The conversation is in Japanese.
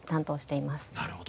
なるほど。